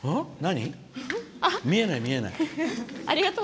見えない、見えない。